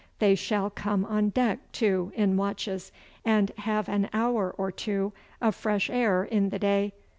They shall come on deck, too, in watches, and have an hour or two o' fresh air in the day.